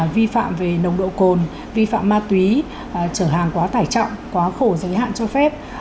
vi phạm về nồng độ cồn vi phạm ma túy trở hàng quá tải trọng quá khổ giới hạn cho phép